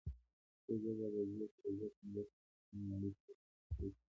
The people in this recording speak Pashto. پښتو ژبه به د دې پروژې په مرسته د ټولې نړۍ سره همغږي شي.